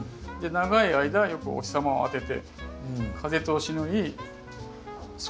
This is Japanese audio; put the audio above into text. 長い間よくお日様を当てて風通しのいい外。